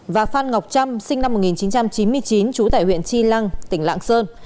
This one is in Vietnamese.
và phan ngọc trâm sinh năm một nghìn chín trăm chín mươi chín trú tại huyện chi lăng tỉnh lạng sơn